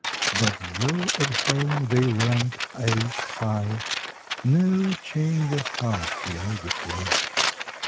But though at home they rank ace high, No change of heart could I declare.